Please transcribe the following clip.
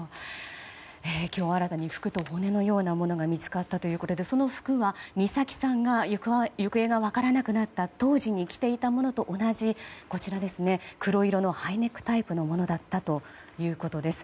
今日、新たに服と骨のようなものが見つかったということでその服は美咲さんが行方が分からなくなった当時に着ていたものと同じ黒色のハイネックタイプのものだったということです。